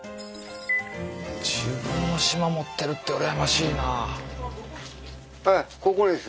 自分の島持ってるって羨ましいな。